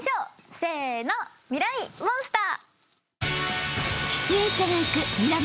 せのミライ☆モンスター。